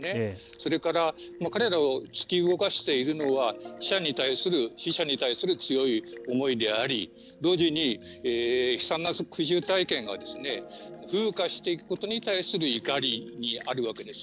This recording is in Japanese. それから、彼らを突き動かしているのは死者に対する強い思いであり同時に悲惨な苦渋体験が風化していくことに対する怒りにあるわけです。